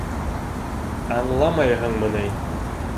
Аңламайһыңмы ни?!